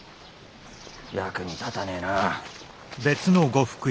役に立たねえな。